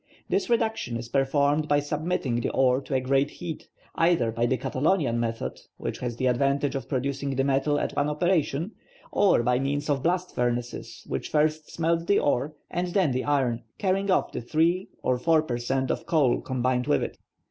This reduction is performed by submitting the ore to a great heat, either by the Catalonian method, which has the advantage of producing the metal at one operation, or by means of blast furnaces which first smelt the ore, and then the iron, carrying off the 3 or 4 per cent of coal combined with it.